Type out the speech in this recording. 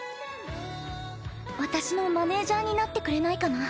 私のマネージャーになってくれないかな。